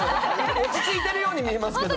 落ち着いてるように見えますけど。